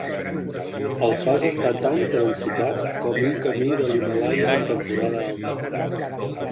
El pas està tan transitat com un camí de l'Himàlaia en temporada alta.